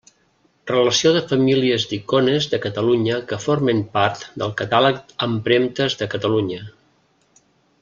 Relació de famílies d'icones de Catalunya que formen part del catàleg Empremtes de Catalunya.